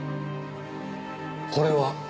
これは？